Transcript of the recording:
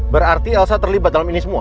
berarti elsa terlibat dalam ini semua